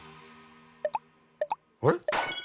あれ？